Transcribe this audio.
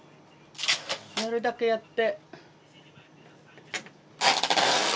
やるだけやって。